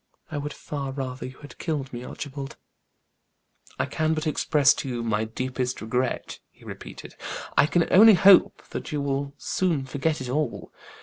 I would far rather you have killed me, Archibald." "I can but express to you my deep regret," he repeated. "I can only hope you will soon forget it all.